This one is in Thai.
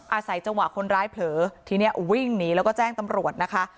อาศัยจังหวะคนร้ายเผลอทีนี้วิ่งหนีแล้วก็แจ้งตำรวจนะคะ